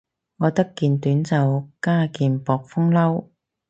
我得件短袖加件薄風褸